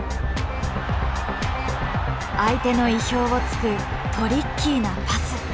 相手の意表をつくトリッキーなパス。